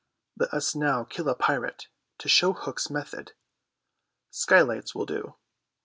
Let us now kill a pirate, to show Hook's method. Skylights will do.